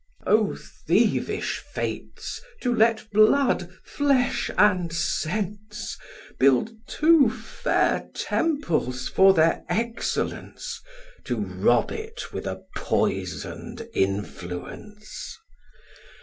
O thievish Fates, to let blood, flesh, and sense, Build two fair temples for their excellence, To rob it with a poison'd influence!